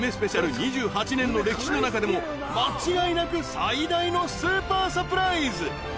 ２８年の歴史の中でも間違いなく最大のスーパーサプライズ！